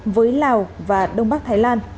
với lào và đông bắc thái lan